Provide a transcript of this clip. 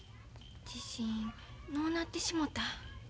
自信のうなってしもた。